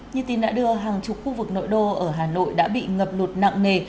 như tin đã đưa hàng chục khu vực nội đô ở hà nội đã bị ngập lụt nặng nề